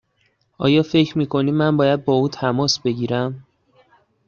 آیا فکر می کنی من باید با او تماس بگیرم؟